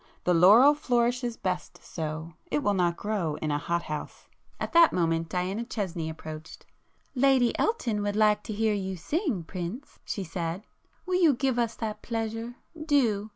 The laurel flourishes best so,—it will not grow in a hot house." At that moment Diana Chesney approached. "Lady Elton would like to hear you sing, prince—" she said—"Will you give us that pleasure? Do!